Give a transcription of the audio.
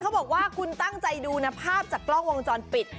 บอกว่าคุณตั้งใจดูนะภาพจากกล้องวงจรปิด